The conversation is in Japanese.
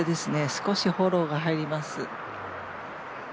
少しフォローが入ります。